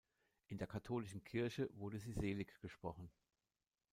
In der katholischen Kirche wurde sie seliggesprochen.